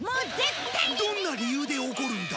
どんな理由で怒るんだ？